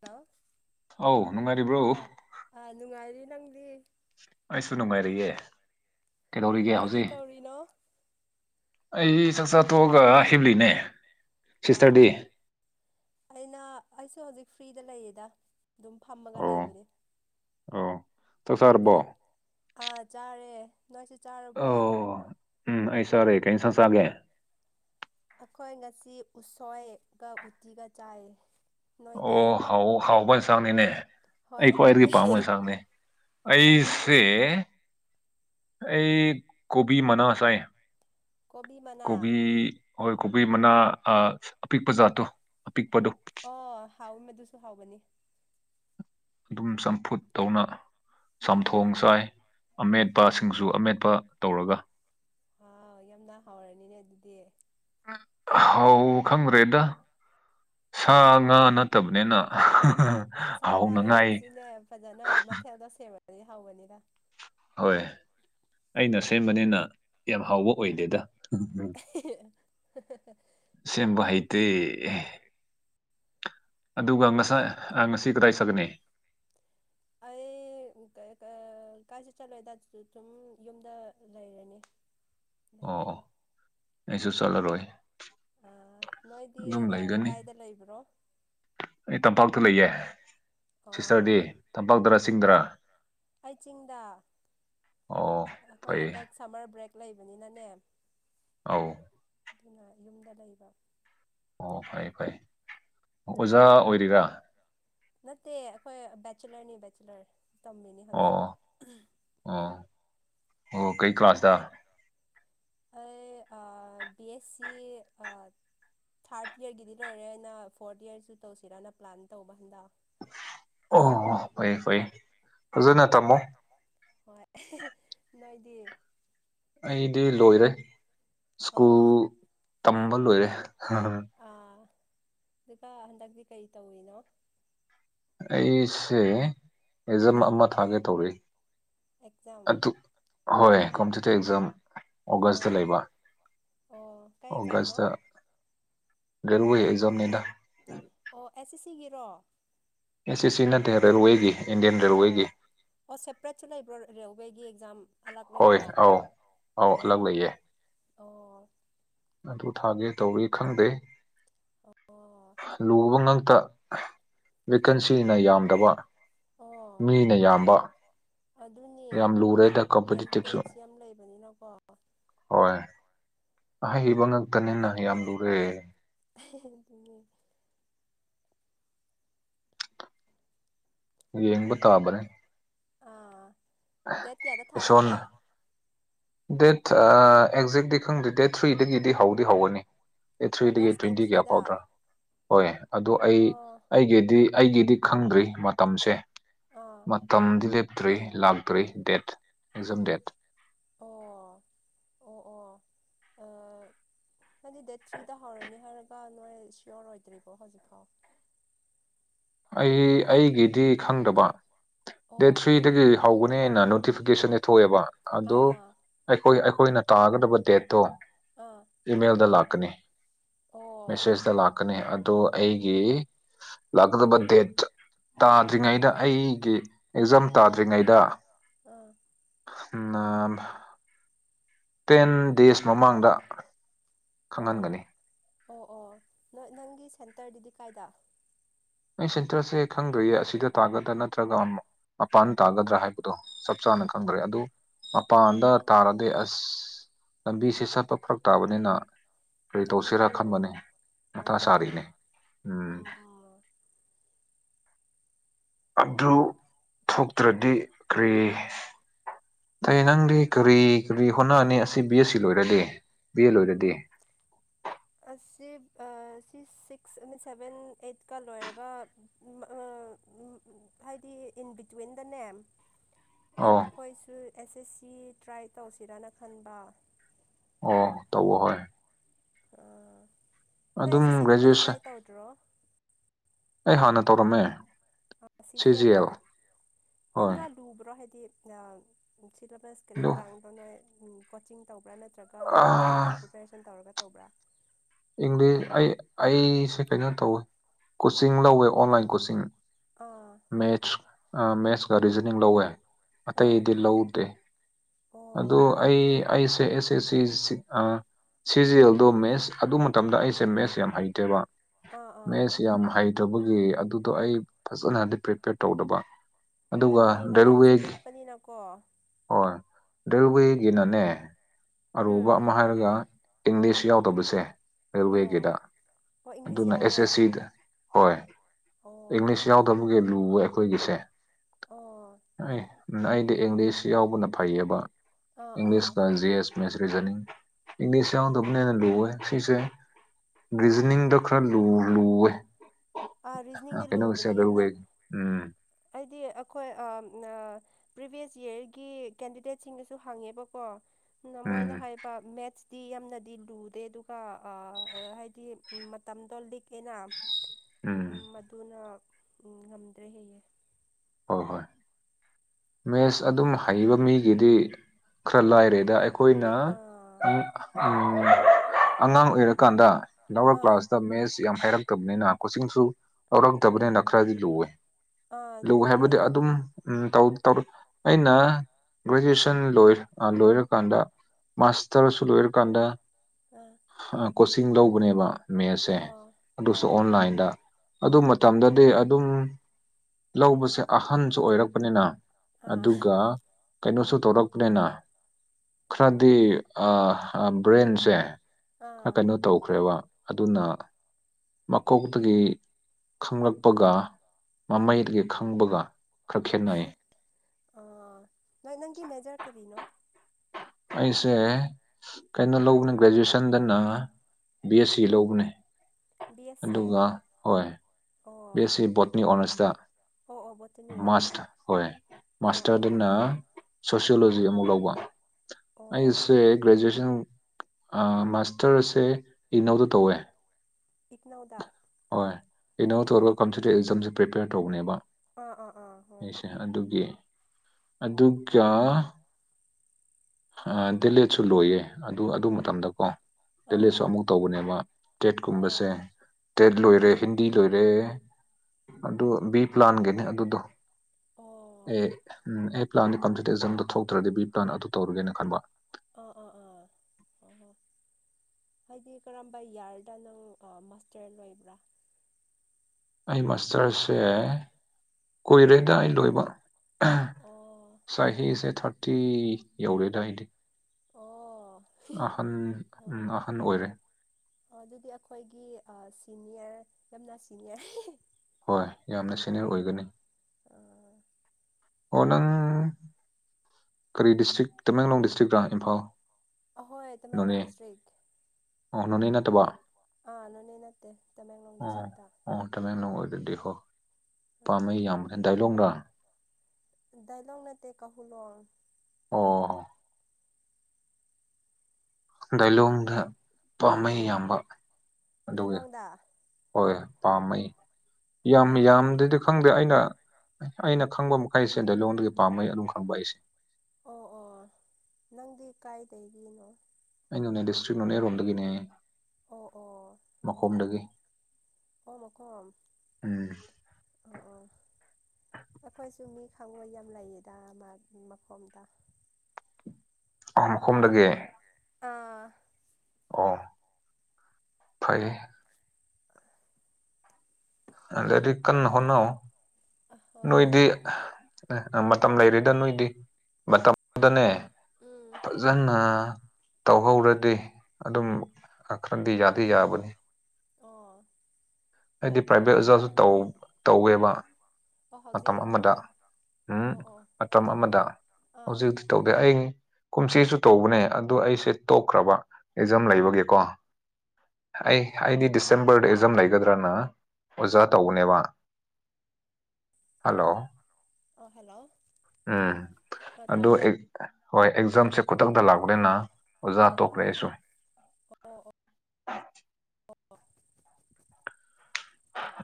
hello ꯑꯧ ꯅꯨꯡꯉꯥꯏꯔꯤꯕ꯭ꯔꯣ ꯑꯥ ꯑꯥ ꯅꯨꯡꯉꯥꯏꯔꯤ ꯅꯪꯗꯤ ꯑꯩꯁꯨ ꯅꯨꯡꯉꯥꯏꯔꯤꯌꯦ ꯀꯩꯗꯧꯔꯤꯒꯦ ꯀꯔꯤ ꯍꯧꯖꯤꯛ ꯇꯧꯔꯤꯅꯣ ꯑꯩ ꯆꯛꯆꯥꯥ ꯇꯣꯛꯂꯒ ꯍꯤꯞꯂꯤꯅꯦ ꯁꯤꯁꯇꯔ ꯗꯤ ꯑꯥ ꯑꯩꯅ ꯑꯩꯁꯨ ꯍꯧꯖꯤꯛ ꯐ꯭ꯔꯤꯗ ꯂꯩꯌꯦꯗ ꯑꯗꯨꯝ ꯐꯝꯃꯒ ꯑꯣ ꯂꯩꯕꯅꯦ ꯑꯣ ꯆꯥꯛ ꯆꯥꯔꯕꯣ ꯑꯥ ꯆꯥꯔꯦ ꯅꯣꯏꯁꯨ ꯆꯥꯔꯕꯣ ꯑꯧ ꯎꯝ ꯑꯩꯁꯨ ꯆꯥꯔꯦ ꯀꯩ ꯏꯟꯁꯥꯡ ꯆꯥꯒꯦ ꯑꯈꯣꯏ ꯉꯁꯤ ꯎꯁꯣꯏꯒ ꯎꯇꯤꯒ ꯆꯥꯏꯌꯦ ꯑꯣ ꯍꯥꯎ ꯍꯥꯎꯕ ꯏꯟꯁꯥꯡꯅꯤꯅꯦ ꯍꯣꯏ ꯑꯩ ꯈ꯭ꯋꯥꯏꯗꯒꯤ ꯍꯥꯎꯋꯤ ꯄꯥꯝꯕ ꯏꯟꯁꯥꯡꯅꯦ ꯀꯩ ꯍꯥꯏꯕ ꯑꯩꯁꯦ ꯑꯩ ꯀꯣꯕꯤ ꯃꯅꯥ ꯆꯥꯏ ꯀꯣꯕꯤ ꯃꯅꯥ ꯀꯣꯕꯤ ꯍꯣꯏ ꯀꯣꯕꯤ ꯃꯅꯥ ꯑꯄꯤꯛꯄ ꯖꯥꯠꯇꯣ ꯑꯄꯤꯛꯄꯗꯣ ꯑꯣ ꯍꯥꯎꯋꯤ ꯃꯗꯨꯁꯨ ꯍꯥꯎꯒꯅꯤ ꯑꯗꯨꯝ ꯆꯝꯐꯨꯠ ꯇꯧꯅ ꯑꯥ ꯆꯝꯊꯣꯡ ꯆꯥꯏ ꯑꯃꯦꯠꯄꯁꯤꯡꯁꯨ ꯑꯃꯃꯦꯠꯄ ꯇꯧꯔꯒ ꯑꯥꯎ ꯌꯥꯝꯅ ꯍꯥꯎꯔꯅꯤꯅꯦ ꯑꯗꯨꯗꯤ ꯍꯥꯎ ꯈꯪ꯭ꯔꯦꯗ ꯁꯥ ꯉꯥ ꯅꯠꯇꯕꯅꯤꯅ ꯁꯥ ꯉꯥ ꯍꯥꯎꯅꯉꯥꯏ ꯅꯠꯇ꯭ꯔꯁꯨꯅꯦ ꯐꯖꯅ ꯃꯊꯦꯜꯛꯇ ꯁꯦꯝꯃꯗꯤ ꯍꯧꯕꯅꯤꯗ ꯍꯣꯏ ꯑꯩꯅ ꯁꯦꯝꯕꯅꯤꯅ ꯌꯥꯝ ꯍꯥꯎꯕ ꯑꯣꯏꯗꯦꯗ [unintelligible] ꯁꯤꯕ ꯍꯩꯇ ꯑꯗꯨꯒ ꯉꯁꯥꯏ ꯉꯁꯤ ꯀꯗꯥꯏ ꯁꯒꯅꯤ ꯑ ꯀ ꯀꯥꯏꯁꯨ ꯆꯠꯂꯣꯏꯗ ꯁꯨꯝ ꯌꯨꯝꯗ ꯂꯩꯔꯅꯤ ꯑꯣ ꯑꯣ ꯥꯏꯀꯅꯤ ꯑꯩꯁꯨ ꯆꯠꯂꯔꯣꯏ ꯅꯣꯏꯗꯤ ꯑꯗꯨꯝ ꯂꯩꯒꯅꯤ ꯀꯥꯏꯗ ꯂꯩꯕ꯭ꯔꯣ ꯑꯩ ꯇꯝꯄꯥꯛꯇꯨ ꯂꯩꯌꯦ ꯁꯤꯁꯇꯔꯗꯤ ꯑꯣ ꯇꯝꯄꯥꯛꯇꯔꯥ ꯆꯤꯡꯗꯔꯥ ꯑꯩ ꯆꯤꯡꯗ ꯑꯣ ꯑꯩꯈꯣꯏ ꯐꯩꯌꯦ ꯍꯟꯗꯛ ꯁꯝꯃꯔ ꯕ꯭ꯔꯦꯛ ꯂꯩꯕꯅꯤꯅꯅꯦ ꯑꯧ ꯑꯗꯨꯅ ꯌꯨꯝꯗ ꯂꯩꯕ ꯑꯣ ꯐꯩ ꯐꯩ ꯑꯣꯖꯥ ꯑꯣꯏꯔꯤꯔꯥ ꯅꯠꯇꯦ ꯑꯩꯈꯣꯏ ꯕꯆꯂꯔꯅꯤ ꯕꯆꯂꯔ ꯇꯝꯕꯤꯅꯤ ꯍꯣꯟꯟꯗ ꯑꯣ ꯑꯣ ꯑꯣ ꯀꯩ ꯀ ꯀ꯭ꯂꯥꯁꯗ ꯑꯩ ꯕꯤ ꯑꯦꯁ ꯁꯤ ꯊꯥꯔꯠ ꯏꯔꯒꯤꯗꯤ ꯂꯣꯏꯔꯦ ꯑꯅ ꯐꯣꯔꯠ ꯏꯌꯥꯔꯁꯨ ꯇꯧꯁꯤꯔꯅ ꯄ꯭ꯂꯥꯟ ꯇꯧꯕ ꯍꯟꯗ ꯑꯣ ꯐꯌꯦ ꯐꯌꯦ ꯐꯖꯅ ꯇꯝꯃꯣ ꯍꯣꯏ ꯅꯣꯏꯗꯤ ꯑꯩꯗꯤ ꯂꯣꯏꯔꯦ ꯁ꯭ꯀꯨꯜ ꯑꯣ ꯇꯝꯕ ꯂꯣꯏꯔꯦ ꯑꯥ ꯑꯗꯨꯒ ꯍꯟꯗꯛꯇꯤ ꯀꯩ ꯇꯧꯏꯤꯅꯣ ꯑꯩꯁꯦ ꯑꯦꯖꯝ ꯑꯃ ꯊꯥꯒꯦ ꯇꯧꯔꯛ ꯑꯦꯛꯖꯝ ꯍꯣꯏ ꯀꯣꯇꯇ ꯑꯦꯛꯖꯥꯝ ꯑꯣꯒꯁꯇ ꯑꯣ ꯂꯩꯕ ꯑꯣ ꯀꯩ ꯑꯦꯛꯖꯥꯝꯅꯣ ꯑꯣꯒꯁꯇ ꯔꯨꯋ ꯑꯦꯛꯖꯥꯝꯅꯤꯗ ꯑꯣ ꯑꯦꯁ ꯑꯦ ꯁꯤꯒꯤꯔꯣ ꯑꯦꯁ ꯑꯦ ꯁꯤ ꯅꯠꯇꯦ ꯔꯦꯜꯋꯦꯒꯤ ꯏꯟꯗꯤꯌꯥꯟ ꯑꯣ ꯔꯦꯜꯋꯦꯒꯤ ꯑꯣ ꯁꯦꯄꯔꯦꯠꯁꯨ ꯂꯩꯕ꯭ꯔꯣ ꯔꯦꯜꯋꯦꯒꯤ ꯑꯦꯛꯖꯥꯝ ꯑꯥꯂꯥꯛ ꯍꯣꯏ ꯂꯩꯕ꯭ꯔꯣ ꯑꯧ ꯑꯧ ꯑꯂꯛ ꯑꯣ ꯂꯩꯌꯦ ꯑꯣ ꯑꯗꯨ ꯊꯥꯒꯦ ꯇꯧꯔꯤ ꯈꯪꯗꯦ ꯑꯣ ꯂꯨꯕ ꯉꯛꯇ ꯕꯦꯀꯦꯟꯁꯤꯅ ꯌꯥꯝꯗꯕ ꯑꯣ ꯃꯤꯅ ꯌꯥꯝꯕ ꯑꯗꯨꯅꯦ ꯌꯥꯝ ꯂꯨꯔꯦ ꯀꯦꯟꯗꯤꯗꯦꯠꯁ ꯌꯥꯝ ꯂꯩꯕꯅꯤꯅꯀꯣ ꯍꯩꯕ ꯉꯇꯅꯤꯅ ꯌꯥꯝ ꯂꯨꯔꯦ ꯑꯗꯨ ꯌꯦꯡꯕ ꯇꯥꯕꯔꯦ ꯑꯥ ꯗꯦꯠ ꯀꯌꯥꯗ ꯏꯁꯣꯔꯅ ꯊꯥꯗꯣꯏꯕ ꯗꯦꯠ ꯑꯦꯛꯖꯦꯗꯤ ꯈꯪꯗꯦ ꯗꯦꯠ ꯊ꯭ꯔꯤꯗꯒꯤꯗꯤ ꯍꯧꯗꯤ ꯍꯧꯒꯅꯤ ꯑꯦꯠ ꯊ꯭ꯔꯤꯗꯒꯤ ꯑꯣꯒꯁ ꯗꯦꯠ ꯇ꯭ꯋꯦꯟꯇꯤ ꯀꯌꯥ ꯊ꯭ꯔꯤꯗ ꯐꯥꯎꯗ꯭ꯔꯥ ꯍꯣꯏ ꯑꯗꯨꯣ ꯑꯩ ꯑꯣ ꯑꯩꯒꯤꯗꯤ ꯑꯩꯒꯤꯗꯤ ꯈꯪꯗ꯭ꯔꯤ ꯃꯇꯝꯁꯦ ꯑꯥ ꯃꯇꯝꯗꯤ ꯂꯦꯞꯇ꯭ꯔꯤ ꯂꯥꯛꯇ ꯭ꯔꯔꯤ ꯗꯦꯠꯖꯝ ꯗꯦꯠ ꯑꯣ ꯑꯣ ꯑꯣ ꯍꯥꯏꯗꯤ ꯗꯦꯠ ꯊ꯭ꯔꯤꯗ ꯍꯧꯔꯅꯤ ꯍꯥꯏꯔꯒ ꯅꯣꯏ ꯁꯤꯌꯣꯔ ꯑꯣꯏꯗ꯭ꯔꯤꯕꯣ ꯍꯧꯖꯤꯛ ꯐꯥꯎ [inaudible] ꯑꯩ ꯑꯩꯒꯤꯗꯤ ꯈꯪꯗꯕ ꯗꯦꯠ ꯑꯣ ꯊ꯭ꯔꯤꯗꯒꯤ ꯍꯧꯒꯅꯦꯅ ꯐꯤꯀꯦꯁꯟ ꯊꯣꯛꯑꯦꯕ ꯑꯗꯨ ꯑꯥ ꯑꯥ ꯑꯩꯈꯣꯏ ꯑꯩꯈꯣꯏꯅ ꯇꯥꯒꯗꯕ ꯗꯦꯠꯇꯣ ꯑꯥ ꯏꯃꯦꯜꯗ ꯂꯥꯛꯀꯅꯤ ꯑꯣ ꯃꯦꯁꯦꯁꯇ ꯂꯥꯛꯀꯅꯤ ꯑꯗ ꯑꯩꯒꯤ ꯐꯗꯕ ꯗꯦꯠ ꯇꯥꯗ꯭ꯔꯤꯉꯩꯗ ꯑꯩꯒꯤ ꯑꯦꯛꯖꯥꯝ ꯇꯥꯗ꯭ꯔꯤꯉꯩꯗ ꯑꯝ ꯑ ꯇꯦꯟ ꯗꯦꯖ ꯃꯃꯥꯡꯗ ꯑꯣ ꯈꯪꯍꯟꯒꯅꯤ ꯑꯣ ꯑꯣ ꯅ ꯅꯪꯒꯤ ꯁꯦꯟꯇꯔꯗꯨꯗꯤ ꯀꯥꯏꯗ ꯑꯩ ꯁꯦꯟꯇꯔꯁꯦ ꯈꯪꯗ꯭ꯔꯤꯌꯦ ꯑꯁꯤꯗ ꯇꯥꯒꯗ꯭ꯔꯥ ꯅꯠꯇ꯭ꯔꯒ ꯑꯃꯃꯛ ꯃꯄꯥꯟ ꯇꯥꯒꯗ꯭ꯔꯥ ꯍꯥꯏꯕꯗꯣ ꯆꯞ ꯆꯥꯅ ꯈꯪꯗ꯭ꯔꯦ ꯑꯗꯨ ꯃꯄꯥꯟꯗ ꯇꯥꯔꯗꯤ ꯑꯁ ꯂꯝꯕꯤꯁꯦ ꯆꯠꯄ ꯐꯔꯛ ꯇꯥꯕꯅꯤꯅ ꯀꯔꯤ ꯇꯧꯁꯤꯔꯥ ꯑꯗꯨꯅꯦ ꯈꯟꯕꯅꯦ ꯃꯊꯥ ꯑꯣ ꯆꯥꯔꯤꯅꯦ ꯎꯝ ꯑꯗꯨ ꯊꯣꯛꯇ꯭ꯔꯗꯤ ꯀ꯭ꯔꯔꯤ ꯑꯩ ꯅꯪꯗꯤ ꯀꯔꯤ ꯀꯔꯤ ꯍꯣꯠꯅꯑꯅꯤ ꯑꯁꯤ ꯕꯤ ꯑꯦꯁ ꯁꯤ ꯂꯣꯏꯔꯗꯤ ꯕꯤ ꯑꯦ ꯂꯣꯏꯔꯗꯤ [inaudible] ꯁꯤ ꯁꯤ ꯁꯤꯛꯁ ꯃꯤ ꯁꯚꯦꯟ ꯑꯩꯠꯀ ꯂꯣꯏꯔꯒ ꯍꯥꯏꯗꯤ ꯏꯟ ꯕꯤꯇ꯭ꯋꯤꯟ ꯗ ꯅꯦꯝ ꯑꯩ ꯑꯣ ꯑꯩꯈꯣꯏꯁꯨ ꯑꯦꯁ ꯑꯦꯁ ꯁꯤ ꯇ꯭ꯔꯥꯏ ꯇꯧꯁꯤꯔꯥꯅ ꯈꯟꯕ ꯑꯣ ꯇꯧꯕ ꯍꯣꯏ ꯑ ꯍꯣꯏ ꯑꯗꯨꯝ ꯑꯩꯁꯦ ꯁꯤꯒꯨꯝꯕꯗꯤ ꯒ꯭ꯔꯦꯖꯨꯑꯦꯁꯟ ꯇ꯭ꯔꯥꯏ ꯇꯧꯗ꯭ꯔꯣ ꯑꯩ ꯍꯥꯟꯅ ꯇꯧꯔꯝꯃꯦ ꯑ ꯁꯤ ꯖꯤ ꯁꯤꯗꯤꯜꯂꯣ ꯑꯦꯜ ꯍꯣꯏ ꯌꯥꯝꯅ ꯂꯨꯕ꯭ꯔꯣ ꯍꯥꯏꯗꯤ ꯁꯤꯂꯁ ꯀꯔꯤ ꯑꯗꯨ ꯀꯔꯥꯡꯅꯣ ꯅꯣꯏ ꯀꯣꯆꯤꯡ ꯇꯧꯕ꯭ꯔꯥ ꯅꯠꯇ꯭ꯔꯒ ꯑꯥ ꯃꯊꯟꯇ ꯄ꯭ꯔꯤꯄꯦꯔꯦꯁꯟ ꯇꯧꯔꯒ ꯇꯧꯕ꯭ꯔꯥ ꯏꯪꯂꯤꯁ ꯑꯩ ꯑꯩꯁꯦ ꯀꯩꯅꯣ ꯇꯧꯋꯦ ꯀꯣꯆꯤꯡ ꯂꯧꯋꯦ ꯑꯣꯟꯂꯥꯏꯟ ꯀꯣꯆꯤꯡ ꯑꯥ ꯃꯦꯁꯀ ꯔꯔꯤꯖꯅꯤꯡ ꯂꯧꯒꯦ ꯑꯥ ꯑꯇꯩꯗꯤ ꯂꯧꯗꯦ ꯑꯣ ꯑꯗꯨ ꯑꯩ ꯑꯦꯁ ꯑꯦ ꯁꯤ ꯁꯤꯖꯜ ꯗꯣ ꯃꯁ ꯑꯗꯨ ꯃꯇꯝꯗ ꯑꯩꯁꯦ ꯃꯦꯠꯁ ꯌꯥꯝ ꯍꯩꯇꯦꯕ ꯑꯥ ꯑꯥ ꯃꯦꯠꯁ ꯌꯥꯝ ꯍꯩ ꯖꯒꯤ ꯑꯗꯨꯗꯣ ꯑꯩ ꯐꯖꯅ ꯍꯥꯟꯗꯤ ꯄ꯭ꯔꯤꯄꯦꯌꯔ ꯇꯧꯗꯕ ꯑꯗꯨꯒ ꯑꯗꯨꯅꯤ ꯃꯇꯝꯁꯨ ꯔꯦꯜꯋꯦꯒꯤ ꯂꯤꯛꯄꯅꯤꯅꯀꯣ ꯗꯔꯋꯦꯒꯤꯅꯅꯦ ꯑꯔꯨꯕ ꯎꯝ ꯑꯃ ꯍꯥꯏꯔꯒ ꯏꯪꯂꯤꯁ ꯌꯥꯎꯗꯕꯁꯦ ꯔꯋꯦ ꯑꯣ ꯀꯗ ꯑꯣ ꯏꯪꯂꯤꯁ ꯑꯗꯨꯅ ꯌꯥꯎꯗꯦ ꯑꯦꯁ ꯑꯦꯁ ꯁꯤꯗ ꯍꯣꯏ ꯑꯣ ꯏꯪꯂꯤꯁ ꯌꯥꯎꯗꯕꯒꯤ ꯂꯨꯕ ꯑꯩꯈꯣꯏꯒꯤꯁꯦ ꯑꯣ ꯍ ꯑꯩꯗꯤ ꯏꯪꯂꯤꯁ ꯌꯥꯎꯕꯅ ꯐꯩꯌꯦꯕ ꯑꯥ ꯏꯪꯁ ꯑꯥ ꯀꯁꯁꯖ ꯏꯪꯁ ꯌꯥ ꯂꯣꯦ ꯁꯤꯁꯦ ꯑꯥ ꯔꯤꯖꯅꯤꯡꯗ ꯈꯔ ꯂꯨꯋꯦ ꯑꯥ ꯔꯤꯖꯅꯤꯡꯗꯤ ꯂꯨꯕꯅꯤ ꯀꯩꯅꯣꯒꯤꯁꯦ ꯌꯥꯝꯅ ꯔꯦꯜꯋꯦꯒꯤ ꯎꯝ ꯍꯥꯏꯗꯤ ꯑꯩꯈꯣꯏ ꯄ꯭ꯔꯤꯚꯁ ꯔ ꯀꯦꯟꯗꯤꯗꯦꯠ ꯁꯤꯡꯅꯁꯨ ꯍꯪꯉꯦꯕꯀꯣ ꯃꯣꯏꯅ ꯎꯝ ꯍꯥꯏꯔꯤꯕ ꯃꯦꯠ ꯗꯤ ꯌꯥꯝꯅꯗꯤ ꯂꯨꯗꯦ ꯑꯗꯨꯒ ꯍꯥꯏꯗꯤ ꯃꯇꯝꯗꯣ ꯂꯤꯛꯑꯦꯅ ꯎꯝ ꯃꯗꯨꯅ ꯉꯝꯗ꯭ꯔꯦꯍꯦꯑꯦ ꯃ ꯑꯗꯨ ꯍꯥꯏ ꯃꯤ ꯈ ꯦꯗ ꯑꯩꯈꯣꯏꯅ ꯑꯥ ꯎ ꯑꯉꯥꯡ ꯑꯣꯏꯔꯀꯥꯟꯗ ꯂꯧꯎꯔꯛ ꯑꯥ ꯀ꯭ꯂꯥꯁꯇ ꯃꯦꯠꯁ ꯌꯥꯝ ꯍꯥꯏꯔꯛꯇꯕꯅꯤꯅ ꯀꯣꯆꯤꯡꯁꯨ ꯂꯧꯔꯛꯇꯕꯅꯤꯅ ꯈꯔꯗꯤ ꯂꯨꯋꯦ ꯑꯥ ꯂꯨ ꯑꯗꯨꯅꯦ ꯍꯥꯏꯕꯗꯤ ꯑꯗꯨꯝ ꯇꯧ ꯑꯩꯅ ꯒ꯭ꯔꯦꯖꯨꯑꯦꯁꯟ ꯂꯣꯏ ꯂꯣꯏꯔꯀꯥꯟꯗ ꯃꯥꯁꯇꯔꯁꯨ ꯂꯣꯏꯔꯀꯥꯟꯗ ꯑꯥ ꯀꯣꯆꯤꯡ ꯂꯧꯕꯅꯦꯕ ꯃꯦꯁꯦ ꯑꯣ ꯑꯗꯨꯁꯨ ꯑꯣ ꯑꯣꯟꯂꯥꯏꯟꯗ ꯑꯗꯨ ꯃꯇꯝꯗꯗꯤ ꯑꯗꯨꯝ ꯂꯧꯕꯁꯦ ꯑꯍꯟꯁꯨ ꯑꯣꯏꯔꯛꯄꯅꯤꯅ ꯑꯥ ꯑꯗꯨꯒ ꯀꯩꯅꯣꯁꯨ ꯇꯧꯔꯛꯄꯅꯤꯅ ꯈꯔꯗꯤ ꯕ꯭ꯔꯦꯟꯁꯦ ꯑꯥ ꯀꯩꯅꯣ ꯇꯧꯈ꯭ꯔꯦꯕ ꯑꯗꯨꯅ ꯃꯀꯣꯛꯇꯒꯤ ꯈꯪꯂꯛꯄꯒ ꯃꯃꯩ ꯇꯒ ꯈꯪꯕꯒ ꯈꯔ ꯈꯦꯠꯅꯩ ꯅꯣꯏ ꯅꯪꯒꯤ ꯃꯦꯖꯔ ꯀꯔꯤꯅꯣ ꯑꯩꯁꯦ ꯀꯩꯅꯣ ꯂꯧꯕꯅꯤ ꯒ꯭ꯔꯦꯖꯨꯑꯦꯁꯟꯗꯅ ꯕꯤ ꯑꯦꯁ ꯁꯤ ꯂꯧꯕꯅꯦ ꯕꯤ ꯑꯦꯁ ꯁꯤ ꯑꯗꯨꯒ ꯍꯣꯏ ꯕꯤ ꯑꯣ ꯑꯦꯁ ꯁꯤ ꯕꯣꯠꯅꯤ ꯑꯣꯅꯔꯁꯇ ꯑꯣ ꯑꯣ ꯕꯣꯇꯅꯤ ꯇꯔ ꯍꯣꯏ ꯑꯥ ꯑꯥ ꯃꯥꯥꯁꯇꯔꯗꯅ ꯁꯣꯁꯤꯌꯣꯂꯣꯖꯤ ꯑꯃꯨꯛ ꯂꯧꯕ ꯑꯣ ꯑꯩꯁꯦ ꯒ꯭ꯔꯦꯖꯨꯑꯦꯁꯟ ꯃꯥꯁꯇꯔꯁꯦ ꯏꯅꯧꯗ ꯇꯧꯋꯦ ꯏꯛꯅꯧꯗ ꯍꯣꯏ ꯑꯣ ꯏꯩꯅꯣ ꯑꯣ ꯇꯧꯔꯒ ꯀꯝꯄꯨꯇꯞ ꯑꯦꯛꯖꯥꯝꯁꯦ ꯄ꯭ꯔꯤꯄꯦꯌꯔ ꯇꯧꯕꯅꯦꯕ ꯑꯥ ꯑꯥ ꯑꯥ ꯍꯣꯏ ꯑꯩꯁꯦ ꯑꯗꯨꯒꯤ ꯑꯗꯨꯒ ꯗꯦꯂꯦꯠꯁꯨ ꯂꯣꯏꯌꯦ ꯑꯗꯨ ꯑꯗꯨ ꯃꯇꯝꯗꯀꯣ ꯑꯥ ꯇꯦꯂꯁꯨ ꯑꯃꯨꯛ ꯇꯧꯕꯅꯦꯕ ꯀꯦꯠ ꯀꯨꯝꯕꯁꯦ ꯑꯣ ꯂꯣꯏꯔꯦ ꯍꯤꯟꯗꯤ ꯂꯣꯏꯔꯦ ꯑꯗꯨ ꯕꯤ ꯄ꯭ꯂꯥꯟꯒꯤꯅꯦ ꯑꯗꯨꯗꯣ ꯑꯣ ꯑꯦ ꯑꯦ ꯄ꯭ꯂꯥꯟꯗꯤ ꯀꯝꯄ꯭ꯌꯨꯇꯤꯖꯝꯗ ꯊꯣꯛꯇ꯭ꯔꯗꯤ ꯕꯤ ꯄ꯭ꯂꯥꯟ ꯑꯗꯨ ꯇꯧꯔꯨꯒꯦꯅ ꯈꯟꯕ ꯑꯣ ꯑꯣ ꯑꯥ ꯑꯣ ꯍꯥꯏꯗꯤ ꯀꯔꯝꯕ ꯌꯥꯔꯗ ꯅꯪ ꯃꯥꯁꯇꯔ ꯂꯣꯏꯕ꯭ꯔꯥ ꯑꯩ ꯃꯥꯁꯇꯔꯁꯦ ꯀꯣꯏꯔꯦꯗ ꯑꯩ ꯂꯣꯏꯕ ꯑꯣ ꯆꯍꯤꯁꯦ ꯊꯥꯔꯇꯤ ꯌꯧꯔꯦꯗ ꯑꯩꯗꯤ ꯑꯣ ꯑꯍꯟ ꯑꯣ ꯑꯣ ꯑꯍꯟ ꯑꯣꯏꯔꯦ ꯑꯗꯨꯗꯤ ꯑꯩꯈꯣꯏꯒꯤ ꯁꯤꯅꯤꯌꯔ ꯌꯥꯝꯅ ꯁꯤꯅꯤꯌꯔ ꯍꯣꯏ ꯌꯥꯝꯅ ꯁꯤꯦꯅꯤꯌꯔ ꯑꯣꯏꯒꯅꯤ ꯑꯣ ꯅꯪ ꯀꯔꯤ ꯗꯤꯁꯇ꯭ꯔꯤꯛ ꯇꯃꯦꯡꯂꯣꯡ ꯗꯤꯁꯇ꯭ꯔꯤꯛꯇ꯭ꯔꯥ ꯏꯝꯐꯥꯜ ꯑꯍꯣꯏ ꯇꯃꯦꯡꯂꯣꯡ ꯗꯤꯁꯇ꯭ꯔꯤꯛ ꯑꯣꯅꯣꯅꯦ ꯅꯠꯇꯕ ꯑ ꯅꯅꯦ ꯅꯠꯇꯦ ꯇꯃꯦꯡꯂꯣꯡ ꯗꯤꯁꯇ꯭ꯔꯤꯛꯇ ꯇ ꯑꯗꯨꯗꯤ ꯍꯣ ꯄꯥꯝꯃꯦꯩ ꯌꯥꯝꯃ ꯗꯥꯏꯂꯣꯡꯗ ꯗꯥꯥꯏꯂꯣꯡ ꯅꯠꯇ ꯀꯥ ꯍꯂꯣꯡ ꯑꯣ ꯗꯥꯏꯂꯣꯡꯗ ꯄꯥꯝꯕꯩ ꯌꯥꯝꯕ ꯑꯗꯨꯒꯤ ꯗꯥꯏꯂꯣꯡꯗ ꯍꯣꯏꯣꯏ ꯄꯥꯝꯃꯩ ꯌꯥꯝ ꯑꯥ ꯌꯥꯝꯗ꯭ꯔꯗꯤ ꯈꯪꯗꯦ ꯑꯩꯅ ꯑꯩꯅ ꯈꯪꯕ ꯃꯈꯩꯁꯦ ꯗꯗꯥꯏꯂꯣꯡꯗꯒꯤ ꯄꯥꯝꯕꯩ ꯑꯗꯨꯝ ꯈꯪꯕ ꯑꯩꯁꯦ ꯑꯣ ꯑꯣ ꯅꯪꯗꯤ ꯀꯥꯏꯗꯒꯤꯗꯒꯤꯅꯣ ꯑꯩꯅꯅꯦ ꯗꯤꯁꯇ꯭ꯔꯤꯛ ꯅꯣꯅꯦꯔꯣꯝꯗꯒꯤꯅꯦ ꯃꯈꯣꯝꯗꯒꯤ ꯀꯃ ꯀꯝ ꯎꯝ ꯑꯣ ꯑꯣ ꯑꯩꯈꯣꯏꯁꯨ ꯃꯤ ꯊꯪꯉꯣꯏ ꯌꯥꯝ ꯂꯩꯌꯦꯗ ꯃꯥꯒꯤ ꯃꯈꯣꯝꯗ ꯑꯍꯨꯝ ꯈꯨꯝꯂꯒꯦ ꯑꯥ ꯑꯣ ꯐꯩ ꯑꯂꯔꯤ ꯀꯟꯅ ꯍꯣꯅꯎ ꯑꯍꯣꯏ ꯅꯣꯏꯣꯏꯗꯤ ꯃꯇꯝ ꯂꯩꯔꯤꯗ ꯅꯣꯏꯗꯤ ꯃꯇꯝꯗꯨꯗꯅꯦ ꯎꯝ ꯐꯖꯅ ꯇꯧꯍꯧꯔꯗꯤ ꯑꯗꯨꯝ ꯈꯔꯗꯤ ꯌꯥꯗꯤ ꯌꯥꯕꯅꯤ ꯑꯣ ꯍꯥꯏꯗꯤ ꯄ꯭ꯔꯥꯏꯚꯦꯠ ꯎꯝ ꯑꯣꯖꯥꯁꯨ ꯑꯗꯨꯅꯤ ꯇꯧꯋꯦꯕ ꯑꯣ ꯃꯇꯝ ꯍꯧꯖꯤꯛ ꯑꯃꯗ ꯎꯝ ꯑꯣ ꯑꯣ ꯃꯇꯝ ꯑꯃꯗ ꯍꯧꯖꯤꯛ ꯑꯥ ꯑꯥ ꯍꯧꯖꯤꯛꯇꯤ ꯇꯧꯗꯦ ꯑꯩ ꯀꯨꯝꯆꯁꯨ ꯇꯧꯕꯅꯦ ꯑꯗꯨ ꯑꯩꯁꯦ ꯇꯣꯛꯈ꯭ꯔꯕ ꯑꯦꯖꯝ ꯂꯩꯕꯒꯤꯀꯣ ꯑꯩ ꯑꯩꯗꯤ ꯗꯤꯁꯦꯝꯕꯔꯗ ꯑꯦꯛꯖꯝ ꯂꯩꯒꯗ꯭ꯔꯅ ꯑꯣꯖꯥ ꯇꯧꯎꯅꯦꯕ ꯑ ꯍꯜꯂꯣ ꯑ ꯍꯦꯜꯂꯣ ꯎꯝ ꯑꯗꯨ ꯍꯣꯏ ꯑꯦꯛꯖꯥꯝꯁꯦ ꯈꯨꯇꯛꯇ ꯂꯥꯛꯄꯅꯤꯅ ꯑꯣꯖꯥ ꯑꯥ ꯑꯥ ꯇꯣꯈ꯭ꯔꯦꯁꯨ ꯑꯣ ꯑꯣ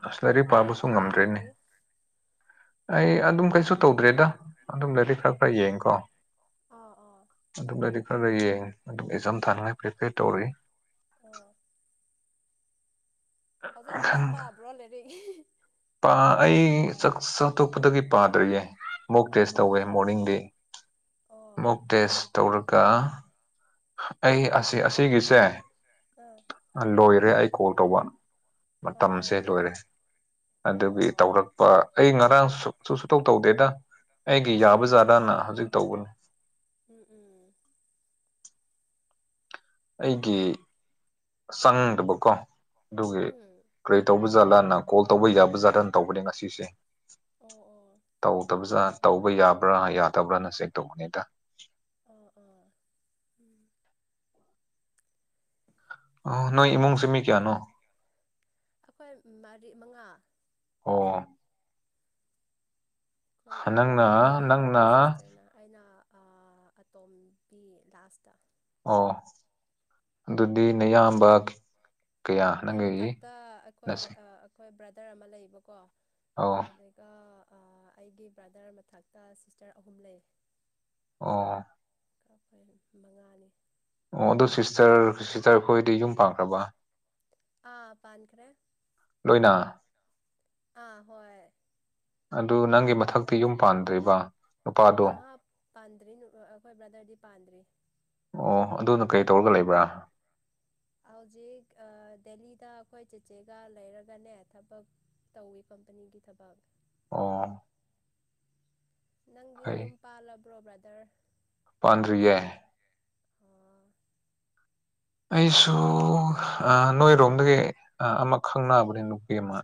ꯑꯁ ꯂꯥꯏꯔꯤꯛ ꯅ ꯄꯥꯕꯁꯨ ꯍꯧꯖꯤꯛꯇꯤ ꯀꯔꯤ ꯉꯝꯗ꯭ꯔꯦꯅꯦ ꯇꯧꯏ ꯑꯩ ꯑꯗꯨꯝ ꯀꯩꯁꯨ ꯇꯧꯗ꯭ꯔꯦꯗ ꯑꯗꯨꯝ ꯂꯩꯗꯤ ꯈꯔ ꯑꯥ ꯈꯔ ꯌꯦꯡꯉꯀꯣ ꯑꯥ ꯑꯥ ꯑꯗꯨꯝꯗꯗꯤ ꯈꯔꯗ ꯌꯦꯡꯉ ꯑꯗꯨꯝ ꯑꯦꯛꯖꯥꯝ ꯊꯥꯅꯉꯥꯏ ꯄ꯭ꯔꯤꯄꯦꯌꯔ ꯇꯧꯔꯤ ꯑ ꯍꯧꯖꯤꯛ ꯍꯧꯖꯤꯛꯁꯨ ꯄꯥꯕ꯭ꯔꯣ ꯂꯩꯔꯦ ꯑꯩꯇꯣꯞꯄꯗꯒꯤ ꯄꯥꯗ꯭ꯔꯤꯌꯦ ꯃꯣꯛꯛ ꯑꯣ ꯇꯦꯁ ꯇꯧꯋꯦ ꯑꯣ ꯃꯣꯔꯅꯤꯡꯗꯤ ꯑꯣ ꯃꯣꯛꯛ ꯇꯦꯁ ꯇꯧꯔꯒ ꯑꯩ ꯑꯁꯤ ꯑꯁꯤꯒꯤꯁꯦ ꯑꯥ ꯂꯣꯏꯔꯦ ꯑꯩ ꯀꯣꯜ ꯇꯧꯕ ꯑꯣ ꯃꯇꯝꯁꯦ ꯑꯣ ꯂꯣꯏꯔꯦ ꯑꯗꯨꯒꯤ ꯑꯣ ꯇꯧꯔꯛꯄ ꯑꯩ ꯉꯔꯥꯡ ꯁꯨ ꯁꯨ ꯇꯧ ꯇꯧꯗꯦꯗ ꯑꯩꯒꯤ ꯑꯥ ꯌꯥꯕ ꯖꯥꯗꯥꯅ ꯍꯧꯖꯤꯛ ꯇꯧꯕꯅꯤ ꯎꯝ ꯎꯝ ꯑꯩꯒꯤ ꯆꯪꯗꯕꯀꯣ ꯑꯗꯨꯒꯤ ꯎꯝ ꯀꯔꯤ ꯇꯧꯕꯖꯥꯠꯂꯅ ꯀꯣꯜ ꯇꯧꯕ ꯌꯥꯕꯖꯥꯠꯠꯇꯅ ꯇꯧꯕꯅꯤ ꯉꯁꯤꯁꯦ ꯑꯣ ꯑꯣ ꯇꯧꯕꯖꯥ ꯇꯧꯕ ꯌꯥꯕ꯭ꯔꯥ ꯌꯥꯗꯕ꯭ꯔꯥꯅ ꯆꯦꯛ ꯇꯧꯕꯅꯤꯗ ꯑꯣ ꯑꯣ ꯎꯝ ꯑ ꯅꯣꯏ ꯏꯃꯨꯡꯁꯤ ꯃꯤ ꯀꯌꯥꯅꯣ ꯑꯩꯈꯣꯏ ꯃꯔꯤ ꯃꯉꯥ ꯑꯣ ꯑꯩꯣꯏ ꯏꯕꯨꯡ ꯅꯪꯅ ꯑꯃ ꯂꯩꯌꯦ ꯑꯗꯨꯒ ꯅꯪꯅ ꯁꯤꯁꯇꯔꯅ ꯑꯩꯅ ꯑꯇꯣꯝꯕꯤ ꯂꯥꯁꯇ ꯑꯣ ꯑꯗꯨꯗꯤ ꯅꯌꯥꯝꯕ ꯀꯌꯥ ꯑꯩ ꯅꯪꯒꯤ ꯃꯊꯛꯇ ꯑꯩꯈꯣꯏ ꯅꯁꯦ ꯑꯩꯈꯣꯏ ꯕ꯭ꯔꯗꯔ ꯑꯃ ꯂꯩꯕꯀꯣ ꯑꯣ ꯑꯗꯨꯒ ꯑꯩꯒꯤ ꯕ꯭ꯔꯗꯔ ꯃꯊꯛꯇ ꯁꯤꯁꯇꯔ ꯑꯍꯨꯝ ꯂꯩ ꯑꯣ ꯀ ꯑꯩꯈꯣꯏ ꯃꯉꯥꯅꯤ ꯑꯣ ꯑꯗꯨ ꯁꯤꯁꯇꯔ ꯁꯤꯁꯇꯔ ꯑꯩꯈꯣꯏꯗꯤ ꯌꯨꯝ ꯄꯥꯈ꯭ꯔꯕ ꯑꯥ ꯄꯥꯟꯀ꯭ꯔꯦ ꯂꯣꯏꯅꯥ ꯑꯥ ꯍꯣꯏ ꯑꯗꯨ ꯅꯪꯒꯤ ꯃꯊꯛꯇꯤ ꯑꯗꯨꯒ ꯌꯨꯝ ꯄꯥꯟꯗ꯭ꯦꯔꯤꯕ ꯑꯍꯥ ꯄꯥꯟꯗ꯭ꯔꯤ ꯑꯩꯈꯣꯏ ꯕ꯭ꯔꯥꯗꯔꯗꯤ ꯄꯥꯟꯗ꯭ꯔꯤ ꯑꯣ ꯑꯗꯨꯅ ꯀꯩ ꯇꯧꯔꯒ ꯂꯩꯕ꯭ꯔꯥ ꯍꯧꯖꯤꯛ ꯗꯦꯜꯂꯤꯗ ꯑꯩꯈꯣꯏ ꯆꯤꯆꯦꯒ ꯂꯩꯔꯒꯅꯦ ꯊꯕꯛ ꯇꯧꯋꯤ ꯀꯝꯄꯅꯤꯒꯤ ꯊꯕꯥꯛ ꯑꯥ ꯅꯪꯗꯤ ꯌꯨꯝ ꯄꯥꯜꯂꯕ꯭ꯔꯣ ꯕ꯭ꯔꯗꯔ ꯄꯟꯗ꯭ꯔꯤꯌꯦ ꯑꯣ ꯑꯩꯁꯨ ꯅꯣꯏꯔꯣꯝꯗꯒꯤ ꯑꯃ ꯈꯪꯅꯕꯅꯦ ꯅꯨꯄꯤ ꯑꯃ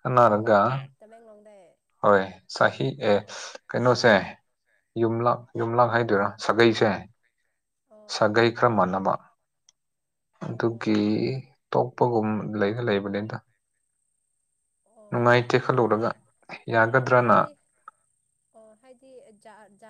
ꯀꯅꯥꯔꯒ ꯑꯣ ꯇꯃꯦꯡꯂꯣꯡꯗꯩ ꯍꯣꯏ ꯆꯍꯤ ꯑꯦ ꯑꯣ ꯀꯩꯅꯣꯁꯦ ꯌꯨꯝꯂꯛ ꯌꯨꯝꯂꯛ ꯍꯥꯏꯗꯣꯏꯔꯥ ꯁꯥꯒꯩꯁꯦ ꯑꯣ ꯁꯥꯒꯩ ꯈꯔ ꯃꯥꯟꯅꯕ ꯑꯗꯨꯒꯤ ꯑꯣ ꯇꯣꯛ ꯂꯄꯒꯨꯝ ꯂꯩꯒ ꯂꯩꯕꯅꯤꯗ ꯑꯣ ꯅꯨꯡꯉꯥꯏ ꯇꯦꯛꯈꯠꯂꯨꯔꯒ ꯌꯥꯒꯗ꯭ꯔꯅ ꯍꯥꯏꯗꯤ ꯑꯣ ꯍꯥꯏꯗꯤ